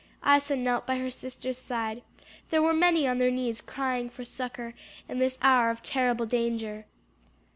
Isa knelt by her sister's side; there were many on their knees crying for succor in this hour of terrible danger.